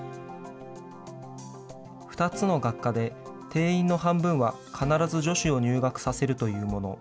２つの学科で定員の半分は必ず女子を入学させるというもの。